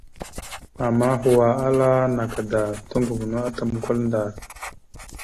Ama hwa ahala naka da, toŋgov no atam kwal ndar.